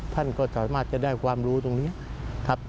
ท่านก็สามารถจะได้ความรู้ตรงนี้ครับ